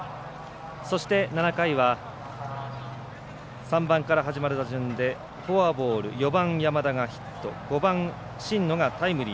そして、７回は３番から始まる打順でフォアボール、４番山田がヒット５番新野がタイムリー。